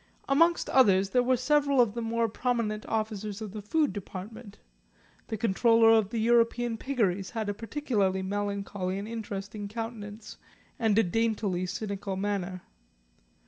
Amongst others there were several of the more prominent officers of the Food Department; the controller of the European Piggeries had a particularly melancholy and interesting countenance and a daintily cynical manner.